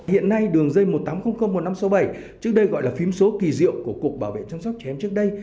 hiện nay đường dây một tám không không một năm sáu bảy trước đây gọi là phím số kỳ diệu của cục bảo vệ chăm sóc trẻ em trước đây